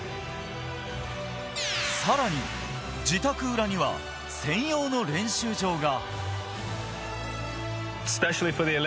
さらに自宅裏には、専用の練習場が。